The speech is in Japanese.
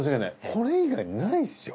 これ以外ないですよ